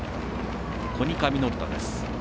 コニカミノルタです。